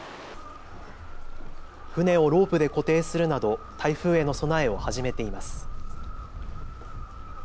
船をロープで固定するなど台風への備えを始めています。